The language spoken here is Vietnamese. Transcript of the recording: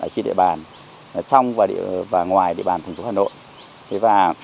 trên địa bàn trong và ngoài địa bàn thành phố hà nội